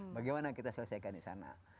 bagaimana kita selesaikan di sana